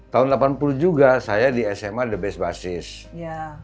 tahun delapan puluh juga saya di sma the best basis